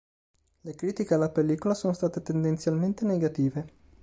Le critiche alla pellicola sono state tendenzialmente negative.